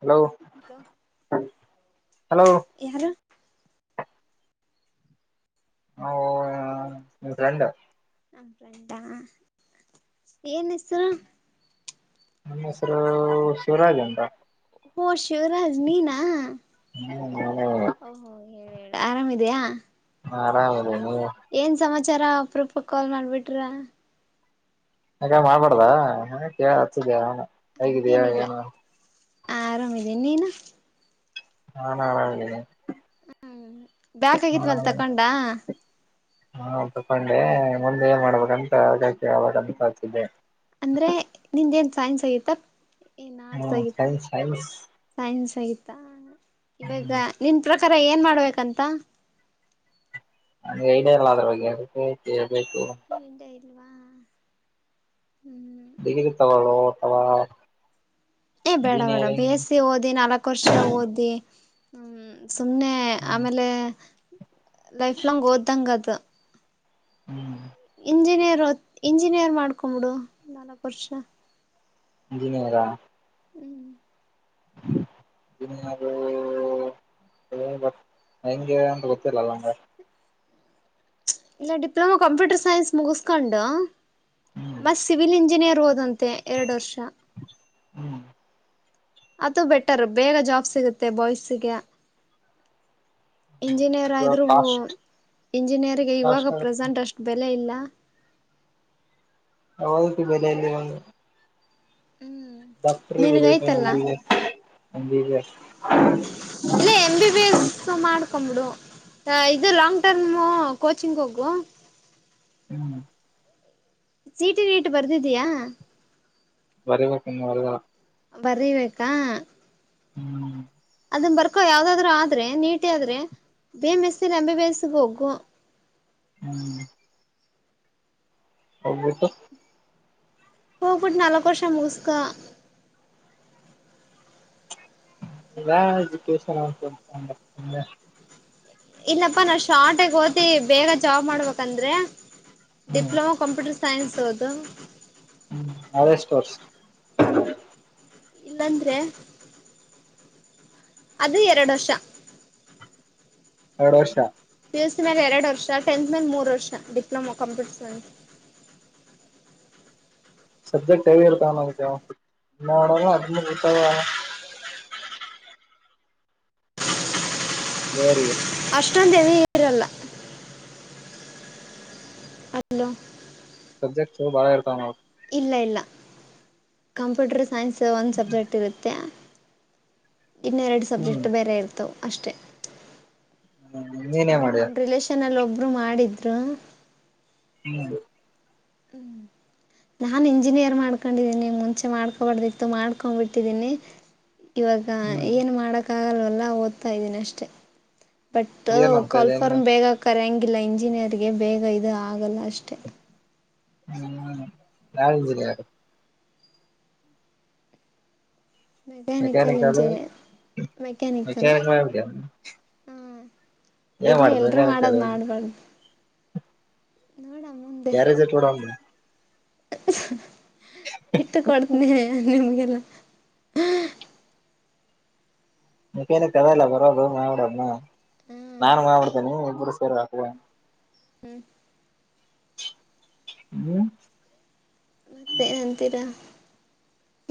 Hello hello hello ಯಾರ ನಾ ನಿನ್್ ಗಂಡ ಹಂಟಾ ಏನ್ ಹೆಸರು ನಮ್ಮ ಹೆಸರು ಶಿವರಾಜ್ ಅಂತ ಹ ಶಿವರಾಜನ ನ ಆರಾಮಿದಯಾ ಹಾ ಆರಾಮನೆ ನೀ ಏನ್ ಸಮಾಚಾರ ಅಪ್ರೂಪಕ ಕಾಲ್ ಮಾಡಬಿಟ್ರ ಯಾಕ ಮಾಡ್ಬಾರಡ್ದ ಹ ಕೇಳ ಹತಿದ ಹಂಗೇನಿಲ್ಲ ಆರಾಮಿದೆೇ ನೀನು ಹಾ ಹ ಹೇಳಿನ್ ಬ್ಯಾಕ್ಗಿದವಲ್ ತಕೊಂಡ ಹಾ ತಕೊಂಡೆ ಮುಂದೆ ಏನ್ ಮಾಡ್ಬೇಕಂತ ಅಗಕ್ಕೆ ಹಬ ಅಂತತಿದ್ದೆ ಅಂದ್ರೆ ನಿಂದೇಏನ್ ಸೈನ್ಸ್ ಆಗಿತ್ತ ಏನ್ ಆರ್ಟ್ಸ್ ಹ್ಮ್ ಆಗಿತ್ತ ಸೈನ್ಸ್ ಸೈನ್ಸ್ ಸೈನ್ಸ್ ಆಗತ್ತ ಇವಾಗ ಹ್ಮ್ ನಿನ್ ಪ್ರಕಾರ ಏನ್ ಮಾಡ್ಬೇಕಂತ ನನಗ ಐಡಿಯ ಇಲ್ಲ ಅದ್ರ ಬಗ್ಗೆ ಅದಕ್ಕೆ ಹೇಳ್ಬೇಕು. ನಿಂದೆ ಇಲ್ವಾ ಹ್ಮ್. ನೀನೀಗ ತೋಗೊಳೋ ಅಥವಾ ಏ ಬೇಡ ಬೇಡ ಇಂಜಿನಿಯರಿಂಗ್ ಬಿಎಸ್ಸಿ ಓದಿ ನಾಲಕ್ಕ ವರ್ಷ ಓದಿ ಹಂ ಸುಮ್ಮನೆ ಹ್ಮ್ ಆಮೇಲೆ ಲೈಫ್ ಲಾಂಗ್ ಓದ್ದಂಗ ಅದು. ಹ್ಮ್. ಇಂಜಿನಿಯರ್ ಓದ ಇಂಜಿನಿಯರ್ ಮಾಡ್ಕೊಂಬಿಡು ನಾಲಕ್ಕ ವರ್ಷ. ಇಂಜಿನಿಯರಾ? ಹ್ಮ್ [unintelligible] ಅದು ಇದೆ ಬಟ್ ಹೆಂಗೆ ಅಂತ ಗೊತ್ತಿಲ್ಲಲ್ಲ ನಂಗೆ. ಇಲ್ಲ ಡಿಪ್ಲೊಮಾ ಕಂಪ್ಯೂಟರ್ ಸೈನ್ಸ್ ಮುಗಸಕೊಂಡು ಹ್ಮ್ ಮತ್ ಸಿವಿಲ್ ಇಂಜಿನಿಯರ್ ಓದಂತೆ ಎರಡ ವರ್ಷ. ಹ್ಮ್ ಅದು ಬೆಟರ್ ಬೇಗ ಜಾಬ್ ಸಿಗುತ್ತೆ ಬಾಯ್ಸಗೆ. ಇಂಜಿನಿಯರ್ ಆದ್ರೂ ಕಾಸ್ಟ್ ಇಂಜಿನಿಯರಿಗೆ ಇವಾಗ ಕಾಸ್ಟ್ ಪ್ರೆಸೆಂಟ್ ಅಷ್ಟ ಬೆಲೆ ಇಲ್ಲ. ಹೌದು ಬೆಲೆ ಇಲ್ಲ ಇವಾಗಾ. ಹ್ಮ್ ಡಾಕ್ಟರು ಇದೆ ನಿನಗೈತಲ್ಲ ಬಿಎಸ್ ಎಂಬಿಬಿಎಸ್. ಇಲ್ಲ ಎಂ ಬಿ ಬಿ ಎಸ್ ಮಾಡ ಮಾಡ್ಕೊಂಡ್ ಬಿಡು ಅ ಇದು ಲಾಂಗ್ ಟರ್ಮ ಕೋಚಿಂಗ್ ಹೋಗೂ ಹ್ಮ್ ಸಿಇಟಿ ನೀಟ್ ಬರ್ದಿದೀಯಾ? ಬರಿಬೇಕ ಇನ್ನೂ ಬರದಿಲ್ಲಾ. ಬರಿಬೇಕಾ? ಹ್ಮ್ ಅದನ್ನ ಬರ್ಕೊ ಯಾವ್ದಾದ್ರು ಆದ್ರೆ ನೀಟ ಆದ್ರೆ ಬಿ ಎಮ್ ಎಸ್ ಇಲ್ಲ ಎಂ ಬಿ ಬಿ ಎಸ್ಗ ಹೋಗು. ಹ್ಮ್ ಹೋಗ್ಬಿಟ್ಟು ಹೋಗ್ಬಿಟ್ ನಾಲಕ್ ವರ್ಷ ಮುಗಸ್ಕೊ. ಎಲ್ಲಾ ಎಜುಕಷನ್ [unintelligible] ಇಲ್ಲಪ್ಪಾ ನಾ ಶಾರ್ಟ ಆಗ್ ಓದೀ ಬೇಗ ಜಾಬ್ ಮಾಡ್ಬೇಕಂದ್ರೆ ಹ್ಮ್ ಡಿಪ್ಲೊಮಾ ಕಂಪ್ಯೂಟರ್ ಸೈನ್ಸ್ ಓದು ಹ್ಮ್ ಅದ ಎಷ್ಟ ವರ್ಷ್? ಇಲ್ಲಂದ್ರೆ ಅದು ಎರಡ ವರ್ಷ. ಎರಡ ವರ್ಷ. ಪಿಯುಸಿ ಮ್ಯಾಗ ಎರಡ ವರ್ಷ ಟೆಂತ್ ಮೇಲ ಮೂರು ವರ್ಷ ಡಿಪ್ಲೊಮಾ ಕಂಪ್ಯೂಟರ್ ಸೈನ್ಸ್. ಸಬ್ಜೆಕ್ಟ್ ಹೆಂಗ ಇರ್ತಾವ ಅದ ಹನ್ನೆರಡ್ ಇಲ್ಲಾ ಹದಿಮೂರ ಇರ್ತಾವ ಅಲಾ. ಇಯರ್ಗೆ. ಅಷ್ಟೊಂದ ಹೆವಿ ಇರಲ್ಲಾ. ಹಲೋ. ಸಬ್ಜೆಕ್ಟ್ಸು ಭಾಳ ಇರ್ತಾವ ಏನ್ ಅವ. ಇಲ್ಲ ಇಲ್ಲ ಕಂಪ್ಯೂಟರ್ ಸೈನ್ಸ್ ಒಂದ ಸಬ್ಜೆಕ್ಟ್ ಇರುತ್ತೆ. ಇನ್ನೆರಡ ಹ್ಮ್ ಸಬ್ಜೆಕ್ಟ್ ಬೇರೆ ಇರ್ತಾವ ಅಷ್ಟೆ. ಹ್ಮ್ ನೀನೇನ್ ಅಂದ್ರೆ ಮಾಡಿಯ ನಮ ರಿಲೇಷನ್ ಅಲ್ಲಿ ಒಬ್ರು ಮಾಡಿದ್ರು. ಹ್ಮ್ [unintelligible] ನಾನ್ ಇಂಜಿನಿಯರ್ ಮಾಡ್ಕೊಂಡಿದ್ದೀನಿ ಮುಂಚೆ ಮಾಡ್ಕೋಬಾರ್ದಿತ್ತು ಮಾಡ್ಕೊಂಡ್ಬಿಟ್ಟಿದ್ದೀನಿ ಇವಾಗ ಹ್ಮ್ ಏನ್ ಮಾಡಕ್ ಆಗಲ್ವಲ್ಲ ಓದ್ತಾ ಇದ್ದೀನಿ ಅಷ್ಟೆ ಬಟ್ ಏನ್ ಓದ್ತಾ ಇದಿಯ ಕಾಲ್ಫಾರ್ಮ್ ಬೇಗ ಕರೆಯಂಗಿಲ್ಲ ಇಂಜಿನಿಯರ್ಗೆ ಬೇಗ ಇದು ಆಗಲ್ಲ ಅಷ್ಟೇ ಹ್ಮ್ ಯಳಂಜಿಲ್ಲ ಯ ಅಚಾನಕ ಮೆಕ್ಯಾನಿಕಲ್ ಚಲ್ಲ ಇಂಜಿನಿಯರ್ ಮೆಕ್ಯಾನಿಕಲ್ ಅಚಾನಕ ಮಾಡಟ ಇರ್ಲಿ ಎಲ್ರುೂ ಮೆಕ್ಯಾನಿಕಲ್ ಮಾಡದ್ ಹೋಗಿ ನಬಾರ್ದ ನಡ ಕಾರೆಜಟ್ೋಡ ಇಟ್ಟು ಕೊಡ್ತನಿ ನಿಮ್ಗೆಲ್ಲ ಮಕ್ಕೇನ ಕದ ಇಲ್ಲ ಬರೋದು ಮಾಿಡೋದನ್ನ ಹಾ ನಾನು ಮಾ್ಿಡ್ತೇನೆಿ ಇಬ್ಬರು ಸೇರ್ ಹಾಕುವ ಹ್ಮ್ ಹ್ಮ್ ಮತ್ತೆ ಏನ್ಂತೀರಾ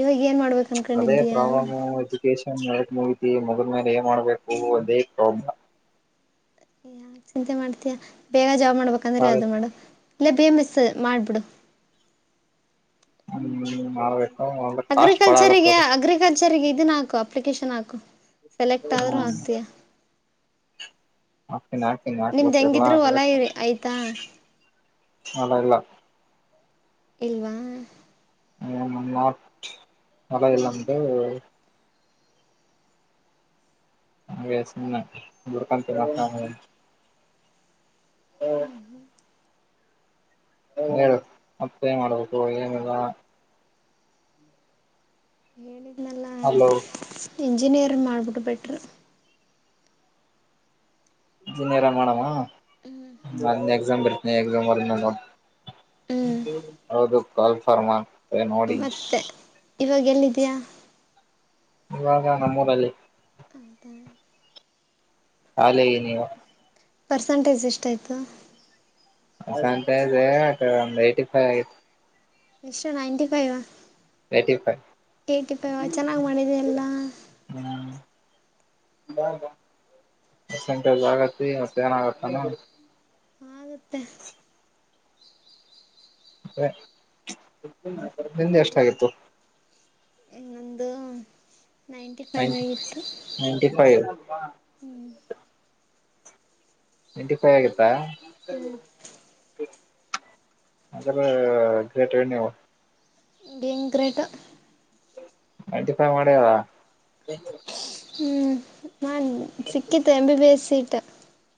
ಇವಾಗ ಏನ್ ಮಾಡ್ಬೇಕ ಅನ್ಕೊಂಡಿದೀಯ ೇಶನ್ ಹೇಕ್ ಮುಗತಿ ಮೊದ್ರ ಮೇಲೆ ಏನ್ ಮಾಡ್ಬೇಕು ಅದೇ ಪ್ರಾಬ್ಲ ಯಾ ಚಿಂತೆ ಮಾಡ್ತೀಯಾ ಬೇಗ ಜಾಬ್ ಮಾಡ್ಬೇಕಂದ್ರೆ ಯಾವ್ದದು ಮಾಡು ಇಲ್ಲ ಬೇ ಮಿಸ್ ಮಾಡ್ಬಿಡು ಹ್ಮ ನ ಅಗ್ರಿಕಲ್ಚರಿಗೆ ಅಗ್ರಿಕಲ್ಚರಿಗೆ ಇದನ್ನ ಹಾಕು ಅಪ್ಲಿಕೇಶನ್ ಹಾಕು ಸೆಲೆಕ್ಟ್ ಆದರೂ ಹ್ಮ್ ಆಕ್ತೀಯಾ ಹಾಕ್ತೀನಿ ಹಾಕ್ತೀನಿ ನಿಮ್ದು ಹಾಕ್ಬೇಕ ಎಲ್ಲ ಹೆಂಗಿದ್ರು ಹೊಲ ಆಬೇಕು ಇರಿ ಆಯ್ತಾ ಅಲ್ಲ ಇಲ್ಲ ಇಲ್ವಾ ಹ ನಟ್ ಮಳೆಯಲ್ಲಂದು ಹಾಗೆ ಹುಡ್ಕೊಂತೀರ ಹ್ಮ ಹೇಳ ಮತ್ತೆ ಏನ್ ಮಾಡ್ಬೇಕು ಏನಿಲ್ಲ ಹೇಳಿದ್ನಲ್ಲಾ ಹಲೋ ಇಂಜಿನಿಯರ್ ಮಾಡಿಬಿಟ್ಟು ಬೆಟ್ಟರು ಇಂಜಿನಿಯರ್ ಮಾಡಮಾ ಹ್ಮ್ ನಾನ ಎಕ್ಸಾಮ್ ಬಿರ್ತೀನಿ ಎಕ್ಸಾಮ್ ಹ್ಮ್ ಹೌದು ಕಲ್ಫಾರ್ಮಾ [unintelligible] ಮತ್ತೆ ಇವಾಗ ಎಲ್ಲಿದೆಯಾ ಇವಾಗ ನಮ್ಮೂರಲ್ಲಿ ಆದ [unintelligible] ಆಾಲಗ ನೀ ಪರ್ಸೆಂಟೇಜ್ ಎಷ್ಟಾಯಿತು ಅಂತ ಇದೆ ಒಂದು ಏಯ್ಟಿ ಫೈವ್ ಆಗಿದೆ ಎಷ್ಟು ninety five eighty five eighty five ಚೆನ್ನಾಗಿ ಮಾಡಿದೆ ಎಲ್ಲ ಹ್ಮ [unintelligible] ಪರ್ ಸೆಂಟಜ್ ಆಗತ್ತತಿ ಮತ್ತ ಏನ ಆಗತ್ತಾನತ ಮತ್ತೆ ಹ ನಿದೆ ಎಷ್ಟಾಗಿತ್ತು ಒಂದು ನೈಂಟಿ ಫೈವ್ ಆಗಿತ್ತು ನೈಂಟಿ ಫೈವ್ ನೈಂಟಿ ಫೈವ್ ಆಗತ್ತಾ ಹ್ಞೂ ಅದರ ಗ್ರೇಟ್ ವ ನೀವು ಬಂಗ ಗ್ರೇಟ್ ಅಲ್ಟಿಫೈ ಮಾಡವ ಹ್ಮ್ ನನ್ ಸಿಕ್ಕತ್ತು M. B. B. S. Seat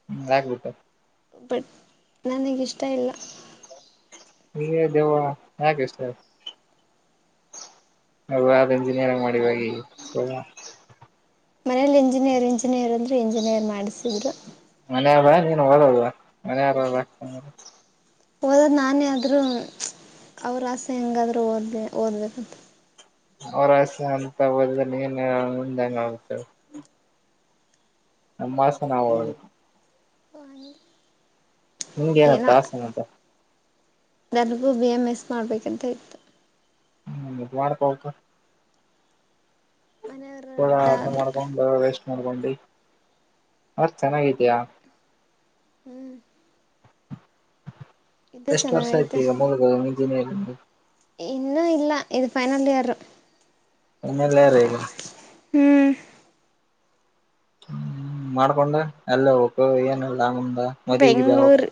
ಹ್ಮ್ ಆಗ್ಬಿಟ್ಟಾ [inaudible] ಬಟ್ ನನಗಿಷ್ಟ ಇಲ್ಲ ಹೇ ದೇವಳ ಯಾಕೆ ಇಷ್ಟ್ ಇಲ್ಲಾ ಅವಾಗ್ ಇಂಜಿನಿಯರಿಂಗ್ ಮಾಡಿವ ಸುಮ್ನ ಮನೇಲಿ ಇಂಜಿನಿಯರ್ ಇಂಜಿನಿಯರ್ ಅಂದ್ರರು ಇಂಜಿನಿಯರ್ ಮಾಡಿಸಿದ್ರು ಮನಬ ನೀನ್ ಹದಲ್ ಮನತ ಹ್ಮ್ ಓದೋದು ನಾನೇ ಆದರೂ ಹ್ಮ್ ಚ ಅವ್ರ ಆಸೆ ಹೆಂಗಾದರೂ ಓದಬೇಕ ಓದಬೇಕಗತ ಅವರಸೆ ಅಂತ ಓದಿದರ ಏನು ಮುಂದಗ ಹೆಂಗ ಆಗತ್ತ ನಮ್ಮ ಮಾಸ ನವುದು ಹ್ಮ್.. ನಿಂಗ ಎನ ತಾಸ ಆಗತ್ತ. ನನಗು ಬಿ. ಎಂ. ಎಸ್. ಮಾಡಬೇಕಂತ ಇತ್ತು ಹ್ಮ ಮಾಡ್ತಾ [inaudible] ಮನೆಯವರು ಅಡ್ಡ ಅದ ಆದರು ಮಾಡ್ಕೊಂಡು ವೇಸ್ಟ್ ಮಾಡ್ಕೊಂಡಿ ಅದ ಚೆನ್ನಾಗೈತಿಯ ಹ್ಮ್ ಇದು ಎಷ್ಟು ವರ್ಷ ಆಯತಿ ಚೆನ್ನಾಗೈತೆ ಈಗ ಮುಗದ ಇಂಜಿನಿಯರಿಂಗ್ ಇನ್ನೂ ಇಲ್ಲ ಇದು ಫೈನಲ್ ಇಯರ್ ಎಂ ಎಲ್ ಯಾರಿಗಾ ಹ್ಮ ಹ್ಮ್ ಮಾಡ್ಕೊಂಡ ಅಲ್ಲ ಹೋಗ ಬೇಕು ಏನ ಇಲ್ಲಾ ಮುಂದ ಮದ್ವಿ ಗಿದ್ವಿ ಬೆಂಗ್ಳೂರ್ ಆಗ್ಬೇಕ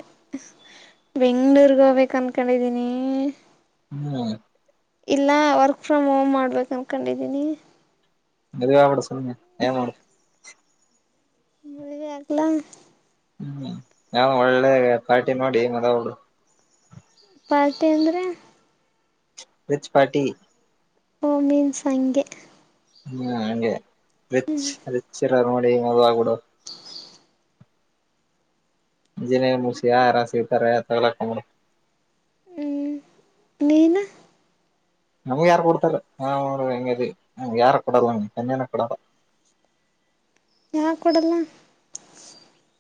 ಬೆಂಗ್ಳೂರ್ಗ ಹೋಗ್ಬೇಕ ಅನ್ಕೊಂಡಿದೀನಿ......... ಹ್ಮ್ ಇಲ್ಲ ವರ್ಕ್ ಫ್ರಮ್ ಹೋಮ್ ಮಾಡಬೇಕು ಅಂದ್ಕೊಂಡಿದ್ದೀನಿ. ಮದವೇ ಆಬಿಡ ಸುಮ್ಮನೆ ಏನ್ ಮಾಡ ಮುಳಿಗೆ ಆಗಾಲಾ ಹ್ಮ್ ಯಾವ ಒಳ್ಳೆ ಪಾರ್ಟಿ ನೋಡಿ ಮದುವೇ ಆಗಬಿಡು ಪಾರ್ಟಿ ಅಂದರೆ.... ರಿಚ್ ಪಾರ್ಟಿ ಓ ಮೀನ್ಸ ಹಂಗೆ ಹ್ಮ್ ಹಂಗೆ ರಿಚ್ ರಿಚ್ ರ ನೋಡಿ ಮದವೆ ಆಗ್ಬಿಡು ಇಂಜನಿಯರ ಮುಗಿಸಿ ಯಾ ಯಾರ ಸಿಗತಾರೆ ಅಂತವಾಲಾ ಇಟ್ಟಗುಂಡಬಿಡು. ಹ್ಮ್ ನೀನು ನಮ್ಗೆ ಯಾರು ಕೊಡ್ತಾರಾರೆ ಹ ಅವ್ರ ಹೆಂಗ ಅದವಿ ಯಾರ ಕೊಡಲ್ಲ ಕನ್ಯಾನ ಕೊಡಲ್ಲ ಯಾಕ ಕೊಡಲ್ಲ.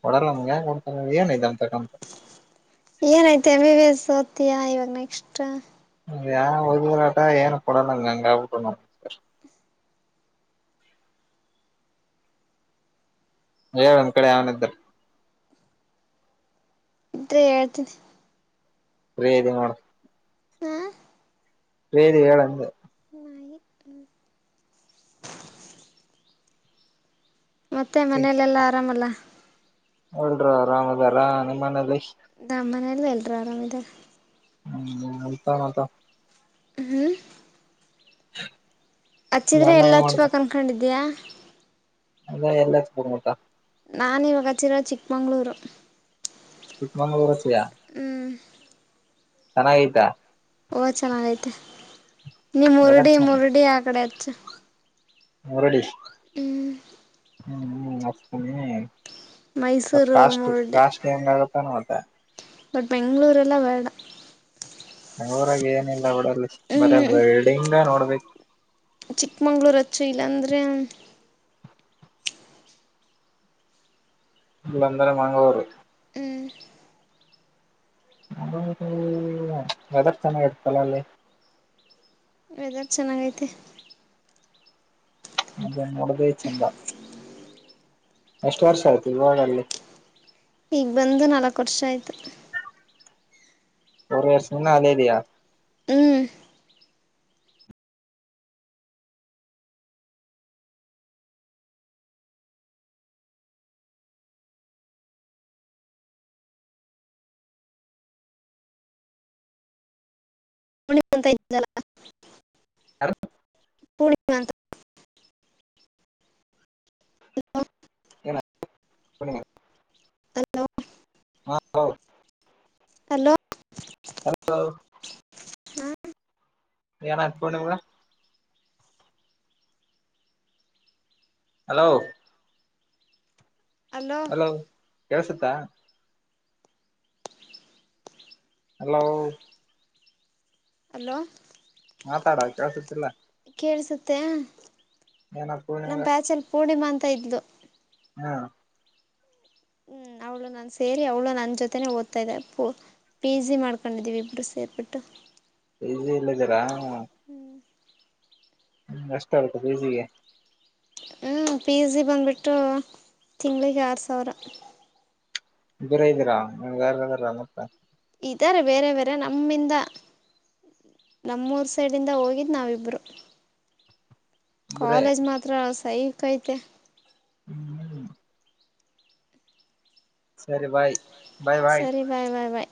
ಕೂಡಲ್ಲ ನಮಗೆ ಯಾರ ಕೂಡಾತರ ಏನ್ ಅಯತಿ ಅಂತ ಕ..... ಏನಐತ ಎಂ. ಬಿ. ಎಸ್ ಓತಿಯಾ ಇವಾಗ ನೆಕ್ಸ್ಟ್. ಆ ಓದಿದರಲಾಟಾ ಏನು ಕೊಡಲ್ಲಂಗ ಹಂಗಗೆ ಆಬಿಣ.. ಹೇಳ ಒಂದ್ ಕಡೆ ಅನ ಇದ್ದರು. ಇದ್ರೆ ಹೇಳತನಿ ಪ್ರಿ ಅದಿ ಮಾಡು ಹಾ ಪ್ರಿ ಅದಿ ಹೇಳಂದ. ನಾಯಿ ಮತ್ತೆ ಮನೇಲೆಲ್ಲಾ ಆರಾಮಲ್ಲ... ಎಲ್ರು ಆರಾಮ್ ಅದಾರ ನಿಮ್ಮ್ ಮನೆಲ್ಲಿ [unintelligible] ನಮ್ಮ ಮನೇಲಿ ಎಲ್ಲರೂ ಆರಾಮ್ ಇದರ ರಿ. ಹ್ಮ್ ಅಂತಳ ಅಲಾ. ಹ್ಮ್. [inaudible] ನಿಮ್ ಹಚ್ಚಿದ್ರೆ ಅಣ್ಣ ಎಲ್ಲ ಏನ್ ಮಾಡ್ದ ಹಚ್ಬೇಕು ಅಂದಕೊಂಡಿದ್ಯಾ. ಅದೇ ಎಲ್ಲಿ ಅಚ್ಚಬೇಕ ಮುಕ. ನಾನಿವಾಗ ಹಚ್ಚಿರೋ ಚಿಕ್ಕಮಂಗಗಳೂರು. ಚಿಕ್ಕಮಂಗಳೂರು ಅಚ್ಚಿಯಾ. ಹ್ಮ್. ಚೆನ್ನಾಗೈತ. ಓಹ ಚೆನ್ನಾಗೈತೆ ನೀ ವೆದರ್ ಮುರಡಿ ಚೆನ್ನಾಗ್ ಮುರಡಿ ಆ ಕಡೆ ಅಚ್ಚು. ಮುರಡಿ. ಹ್ಮ. ಹ್ಮ್ ಹ್ಮ್ ಅಸ್ತನಿ ಮೈಸೂರು ಕಾಸ್ಟ್ ಮುರುಡಿ ಕಾಸ್ಟ್ ಹೆಂಗಾಗುತ್ತಾನ ಅವಾಗ. ಬಟ್ ಬೆಂಗಳೂರೆಲ್ಲ ಬೇಡ. ಬೆಂಗಳೂರಾಗ ಏನಿಲ್ಲ ಬಿಡು ಅಲ್ಲಿ ಬರೆ ಹ್ಮ್ ಬಿಲ್ಡಿಂಗ್ ನೋಡ್ಬೇಕು. ಚಿಕ್ಕಮಂಗ್ಳೂರು ಅಚ್ಚು ಇಲ್ಲಾಂದರೆ. ಇಲ್ಲಂದರೆ ಮಂಗಳೂರು. ಹ್ಮ್. [unintelligible] ವೇದರ ಚೆನ್ನಾಗಿತ್ತಲ್ಲ ಅಲ್ಲಿ. ವೆದರ್ ಚೆನ್ನಾಗ ಗೈತೆ. ಮುಗ್ಗನ ಮೂಡದೆ ಚಂದ. ಎಷ್ಟು ವರ್ಷ ಆಯ್ತು ಇವಾಗ ಅಲ್ಲಿ. ಈಗ ಬಂದು ನಾಲ್ಕು ವರ್ಷ ಆಯ್ತು. [unintelligible] ಸುಮ್ನೆ ಅಲೇದೆಯಾ. ಹ್ಮ್ ಮಿಲಿಗಿ ಕುಂತೆದೀಯಲ್ಲ. ಯಾರ. ಪೂರ್ಣಿಮಾ ಅಂತ ಹಲೋ [inaudible] ಹಲೋ. ಹಲೋ. ಹಾ ಏನ್ ಆಯ್ತ ಪೂರ್ಣಿಮಾಗ. ಹಲೋ. ಹಲೋ ಕೆಳ್ಸತ್ತಾ. ಹಲೋ. ಹಲೋ. ಮಾತಾಡ ಕೆಳಸತ್ತಿಲ್ಲ. ಕೇಳಸುತ್ತ ಏನಾಯ್ತು ನಮ್ಮ ಪೂರ್ಣಿಮಗ ಬ್ಯಾಚಲ್ಲಿ ಪೂರ್ಣಿಮಾ ಅಂತ ಇದ್ಲು. ಹಾ. ಹ್ಮ್ ಹೌದು. ಅವಳು ನಾನ್ ಸೇರಿ ಅವಳು ನನ್ನ ಜೊತೆನೆ ಓದ್ತಿದೆ ಪಿ ಜಿ ಮಾಡ್ಕೊಂಡಿದ್ದಿವಿ ಇಬ್ರು ಸೇರ್ ಬಿಟ್ಟು. ಪಿಜಿ ಅಲಿ ಇದೀರಾ. ಎಷ್ಟ ಅಗತ ಪಿಜಿಗೆ. ಹ ಪಿಜಿ ಬಂದುಬಿಟ್ಟು ತಿಂಗಳಿಗೆ ಆರು ಸಾವಿರ. ಇಬರ ಇದೀರಾ ಅಂಗ ಅಂದ್ರ ರಾಮುಲ. ಈ್ದಾರೆ ಬೇರೆ ಬೇರೆ ನಮ್ಮಿಂದ ನಮ್ಮೂರು ಸೈಡಿಂದ ಹೋಗಿದ್ದು ನಾವಿಬ್ರು ಇಬ್ಬರೇ ಕಾಲೇಜ್ ಮಾತ್ರ ಸಹ ಕೈತೆ ಹ್ಮ್ ಸರಿ ಬಾಯ್ ಸರಿ ಬಾಯ್ ಬಾಯ್ ಬಾಯ್